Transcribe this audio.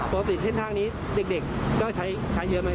ปกติเท่านี้เด็กก็ใช้เยอะไหม